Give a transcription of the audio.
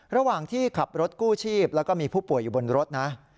ระหว่างที่ขับรถกู้ชีพแล้วก็มีผู้ป่วยอยู่บนรถนะ